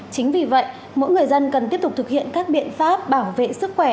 chính vì vậy mỗi người dân cần tiếp tục thực hiện các biện pháp bảo vệ sức khỏe